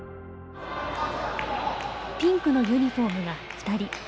ピンクのユニフォームが２人。